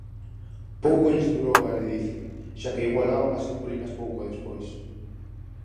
Pouco lles durou a ledicia xa que igualaban as herculinas pouco despois.